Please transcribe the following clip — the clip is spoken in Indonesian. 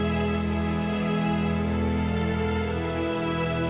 saya di gabung dengan anda